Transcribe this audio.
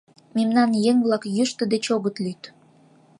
— Мемнан еҥ-влак йӱштӧ деч огыт лӱд.